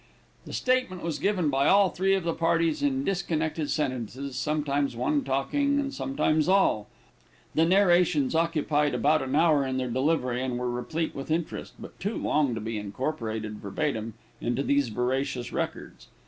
The statement was given by all three of the parties in disconnected sentences, sometimes one talking, and sometimes all. The narrations occupied about an hour in their delivery, and were replete with interest, but too long to be incorporated verbatim into these veracious records.